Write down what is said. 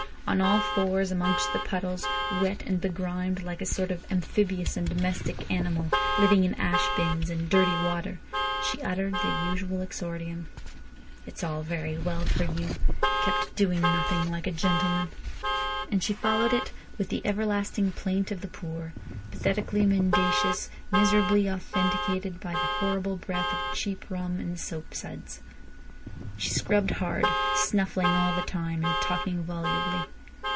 On all fours amongst the puddles, wet and begrimed, like a sort of amphibious and domestic animal living in ash bins and dirty water, she uttered the usual exordium: "It's all very well for you, kept doing nothing like a gentleman." And she followed it with the everlasting plaint of the poor, pathetically mendacious, miserably authenticated by the horrible breath of cheap rum and soap suds. She scrubbed hard, snuffling all the time, and talking volubly.